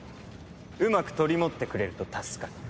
うまく取り持ってくれると助かる。